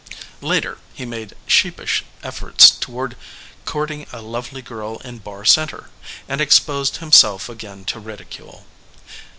Later, he made sheepish efforts toward courting a lovely girl in Barr Center, and exposed himself again to ridicule.